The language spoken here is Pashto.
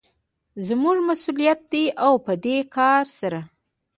زموږ مسوليت دى او په دې کار سره